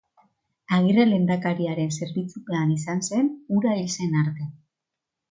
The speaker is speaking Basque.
Agirre lehendakariaren zerbitzupean izan zen, hura hil zen arte.